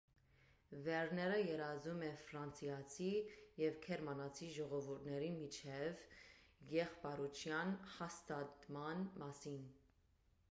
Վերները երազում է ֆրանսիացի և գերմանացի ժողովուրդների միջև եղբայրության հաստատման մասին։